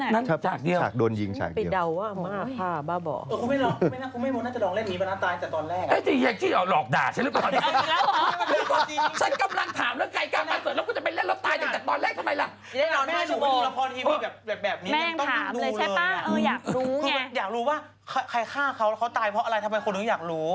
แล้วใครฆ่าเค้าเค้าตายเพราะอะไรอะไรทำเป็นคนต้องอยากรู้